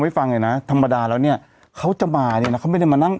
ให้ฟังเลยนะธรรมดาแล้วเนี่ยเขาจะมาเนี่ยนะเขาไม่ได้มานั่ง